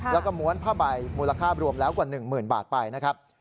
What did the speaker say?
และกระหมวนผ้าใบมูลค่ารวมละกว่า๑หมื่นบาทไปนะครับ